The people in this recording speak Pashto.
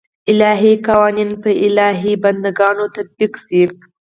الهي قوانین پر الهي بنده ګانو تطبیق شي.